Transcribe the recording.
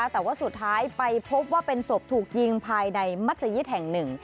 แต่ว่าสุดท้ายไปพบว่าเป็นศพถูกยิงภายในมัศยิตแห่งหนึ่ง